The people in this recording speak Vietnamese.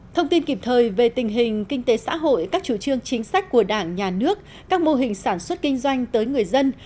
thông tin kịp thời về tình hình kinh tế xã hội các chủ trương chính sách của đảng nhà nước các mô hình sản xuất kinh doanh tới người dân